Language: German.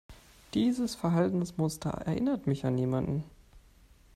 Dieses Verhaltensmuster erinnert mich an jemanden.